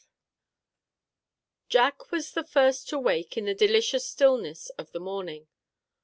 Jack was the first to wake in the delicious stillness of the morning.